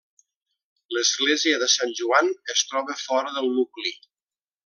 L'església de Sant Joan es troba fora del nucli.